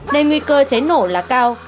đầy nguy cơ cháy nổ là cao